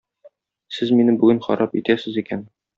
Сез мине бүген харап итәсез икән.